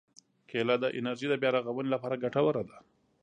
کېله د انرژي د بیا رغونې لپاره ګټوره ده.